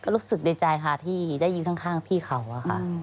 ก็รู้สึกในใจค่ะที่ได้ยิงข้างพี่เขาค่ะ